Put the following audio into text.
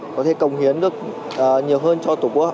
có thể cống hiến được nhiều hơn cho tổ quốc